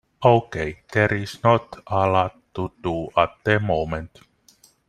Okay, there is not a lot to do at the moment.